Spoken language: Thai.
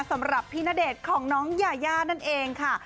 สำหรับพี่ณเดชน์ของน้องยายานั่นเองค่ะ